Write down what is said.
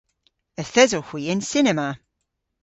Yth esewgh hwi y'n cinema.